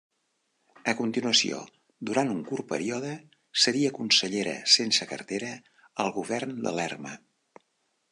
A continuació, durant un curt període, seria consellera sense cartera al govern de Lerma.